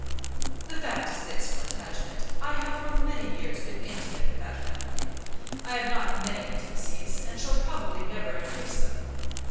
"The fact is this, Plantagenet. I have for many years been intimate with that family. I have not many intimacies, and shall probably never increase them.